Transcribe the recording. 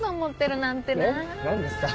何ですか？